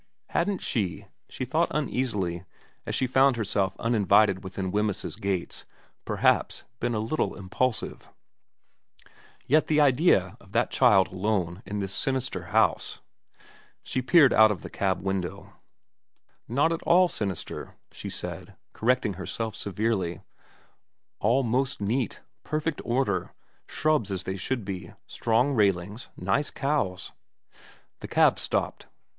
Hadn't she, she thought uneasily as she found herself uninvited within Wemyss's gates, perhaps been a little impulsive ? Yet the idea of that child alone in the sinister house She peered out of the cab window. Not at all u 290 VERA XXVI sinister, she said, correcting herself severely ; all most neat. Perfect order. Shrubs as they should be. Strong railings. Nice cows. The cab stopped.